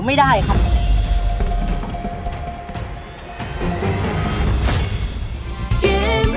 แม่